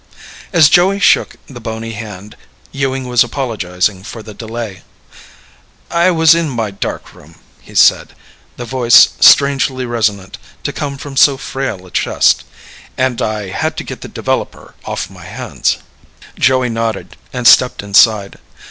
As Joey shook the bony hand, Ewing was apologizing for the delay. "I was in my dark room," he said the voice strangely resonant to come from so frail a chest "and I had to get the developer off my hands." Joey nodded and stepped inside.